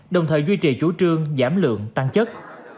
đồng thời duy trì chủ trương giảm lượng tăng chất